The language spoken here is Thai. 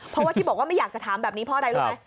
เพราะว่าที่บอกว่าไม่อยากจะถามแบบนี้เพราะอะไรรู้ไหม